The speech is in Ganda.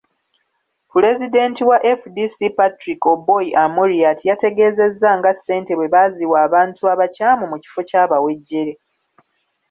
Pulezidenti wa FDC Patrick Oboi Amuriat yaategezezza nga ssente bwe baaziwa abantu abakyamu mu kifo ky'abawejjere.